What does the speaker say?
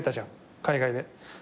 海外で。